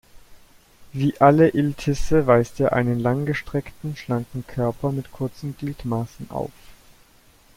Wie alle Iltisse weist er einen langgestreckten, schlanken Körper mit kurzen Gliedmaßen auf.